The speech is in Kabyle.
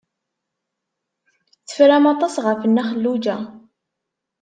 Terfam aṭas ɣef Nna Xelluǧa.